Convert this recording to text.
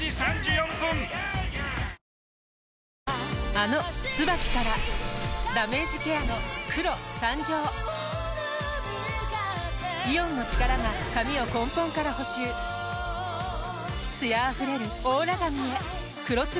あの「ＴＳＵＢＡＫＩ」からダメージケアの黒誕生イオンの力が髪を根本から補修艶あふれるオーラ髪へ「黒ＴＳＵＢＡＫＩ」